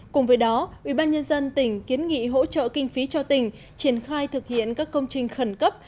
cùng với đó ubnd tỉnh kiến nghị hỗ trợ kinh phí cho tỉnh triển khai thực hiện các công trình khẩn cấp